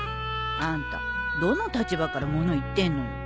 あんたどの立場から物言ってんのよ。